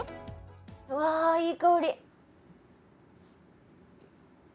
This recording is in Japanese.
うわいい香り。